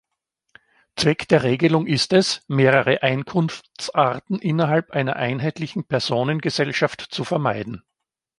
Zweck der Regelung ist es, mehrere Einkunftsarten innerhalb einer einheitlichen Personengesellschaft zu vermeiden.